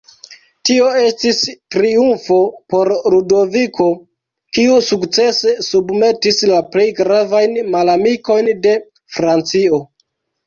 Tio estis triumfo por Ludoviko, kiu sukcese submetis la plej gravajn malamikojn de Francio.